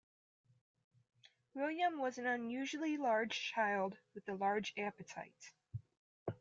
William was an unusually large child with a large appetite.